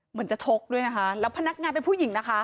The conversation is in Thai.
เหมือนจะชกด้วยนะคะแล้วพนักงานเป็นผู้หญิงนะคะ